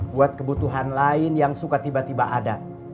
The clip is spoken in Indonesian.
buat kebutuhan lain yang suka tiba tiba ada